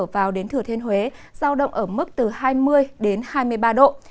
vào đến thừa thiên huế giao động ở mức từ hai mươi đến hai mươi ba độ